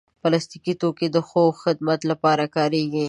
پلاستيکي توکي د ښو خدمتونو لپاره کارېږي.